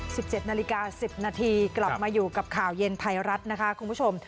สิบเจ็ดนาฬิกาสิบนาทีกลับมาอยู่กับข่าวเย็นไทยรัฐนะคะคุณผู้ชม